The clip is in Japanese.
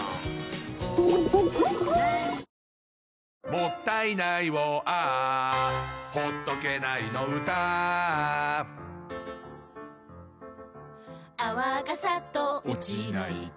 「もったいないをＡｈ」「ほっとけないの唄Ａｈ」「泡がサッと落ちないと」